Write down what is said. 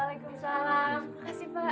terima kasih pak